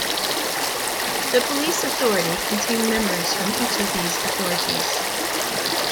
The Police Authority contained members from each of these authorities.